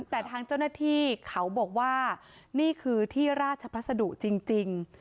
แต่ทางเจ้าหน้าที่เขาบอกว่านี่คือที่ราชพัสดุจริง